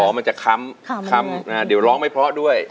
มันจะค้ำคำเดี๋ยวร้องไม่เพราะด้วย